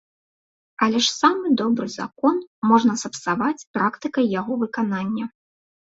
Але ж самы добры закон можна сапсаваць практыкай яго выканання.